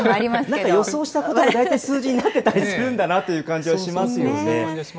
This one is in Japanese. なんか予想したのが大体数字になってたりするんだなという感じはしますよね。